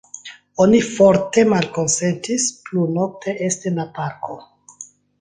Oni forte malkonsentis plu nokte esti en la parko.